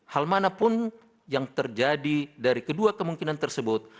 hal manapun yang terjadi dari kedua kemungkinan tersebut